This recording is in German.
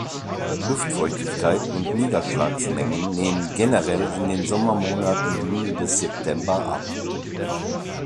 Luftfeuchtigkeit und Niederschlagsmengen nehmen generell in den Sommermonaten Juni bis September ab.